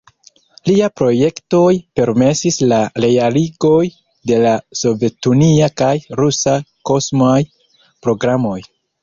Liaj projektoj permesis la realigon de la sovetunia kaj rusa kosmaj programoj.